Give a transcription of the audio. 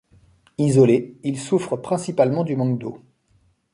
Isolés, ils souffrent principalement du manque d'eau.